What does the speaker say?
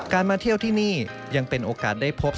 มาเที่ยวที่นี่ยังเป็นโอกาสได้พบ